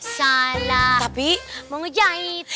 salah mau ngejahit